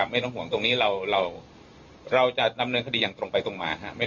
ไม่ต้องห่วงตรงนี้เราจะดำเนินคดีอย่างตรงไปตรงมา